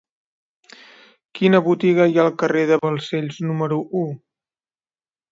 Quina botiga hi ha al carrer de Balcells número u?